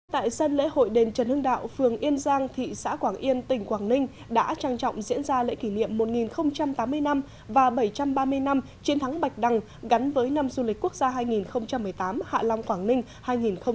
tại sân lễ hội đền trần hưng đạo phường yên giang thị xã quảng yên tỉnh quảng ninh đã trang trọng diễn ra lễ kỷ niệm một nghìn tám mươi năm và bảy trăm ba mươi năm chiến thắng bạch đằng gắn với năm du lịch quốc gia hai nghìn một mươi tám hạ long quảng ninh hai nghìn một mươi chín